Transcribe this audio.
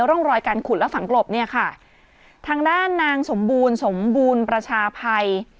ร่องรอยการขุดและฝังกลบเนี่ยค่ะทางด้านนางสมบูรณ์สมบูรณ์ประชาภัย